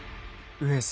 上様！